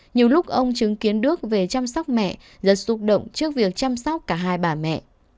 nhiều lúc ông chứng kiến đức về chăm sóc mẹ rất xúc động trước việc chăm sóc cả hai bà mẹ